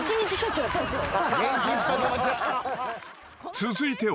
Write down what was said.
［続いては］